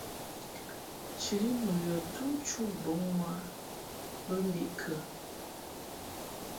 Chɨŋni nu yɔ tu chu bɔŋ u a bə mbiʼ kə ?